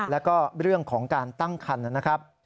แล้วก็เรื่องของการตั้งคันนะครับ